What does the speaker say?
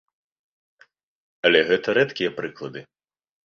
Але гэта рэдкія прыклады.